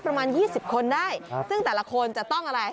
ประมาณ๒๐คนได้ซึ่งแต่ละคนจะต้องอะไร